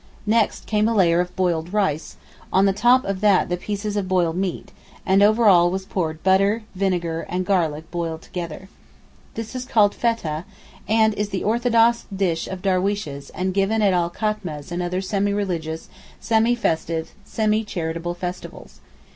Next came a layer of boiled rice, on the top of that the pieces of boiled meat, and over all was poured butter, vinegar and garlic boiled together. This is called a Fettah, and is the orthodox dish of darweeshes and given at all Khatmehs and other semi religious, semi festive, semi charitable festivities.